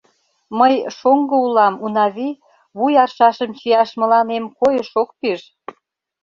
Мый шоҥго улам, Унави; вуй аршашым чияш мыланем койыш ок пиж...